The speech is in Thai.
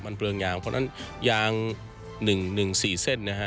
มันเปลืองยางเพราะฉะนั้นยางหนึ่งหนึ่งสี่เส้นนะฮะ